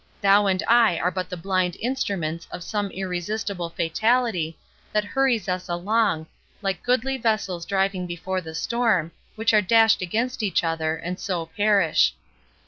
Thou and I are but the blind instruments of some irresistible fatality, that hurries us along, like goodly vessels driving before the storm, which are dashed against each other, and so perish.